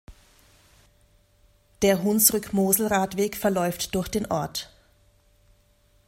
Der Hunsrück-Mosel-Radweg verläuft durch den Ort.